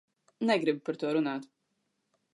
Negribu par to runāt.